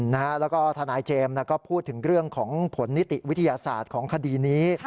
แล้วก็ทนายเจมส์ก็พูดถึงเรื่องของผลนิติวิทยาศาสตร์ของคดีนี้